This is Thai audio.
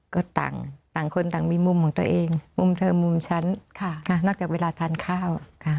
ก็ต่างคนต่างมีมุมของตัวเองมุมเธอมุมฉันนอกจากเวลาทานข้าว